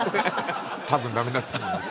たぶん駄目だと思います。